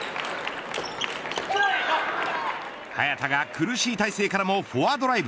早田が苦しい体勢からもフォアドライブ。